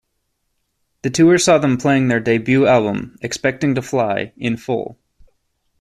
The tour saw them playing their debut album, "Expecting to Fly", in full.